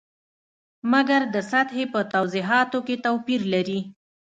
مګر د سطحې په توضیحاتو کې توپیر لري.